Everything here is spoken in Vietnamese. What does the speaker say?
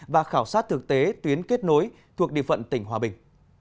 và khảo sát thực tế tuyến kết nối thuộc địa phận tỉnh hòa bình